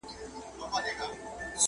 o مېړه څه وهلی، څه پوري وهلی٫